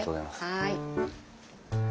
はい。